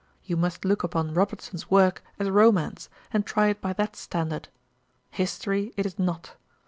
You must look upon Robertson's work as romance, and try it by that standard. History it is not.